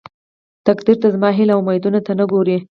تقديره ته زما هيلې او اميدونه ته نه ګورې.